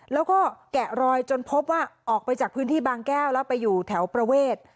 แล้วก็แกะรอยจนพบว่าออกไปจากพื้นที่บางแก้วแล้วไปอยู่แถวประเวท